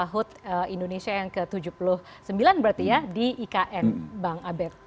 hud indonesia yang ke tujuh puluh sembilan berarti ya di ikn bang abed